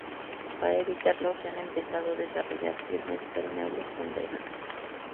Para evitarlo se han empezado a desarrollar firmes permeables con drenajes.